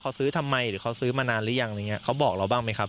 เขาซื้อทำไมหรือเขาซื้อมานานหรือยังอะไรอย่างเงี้เขาบอกเราบ้างไหมครับ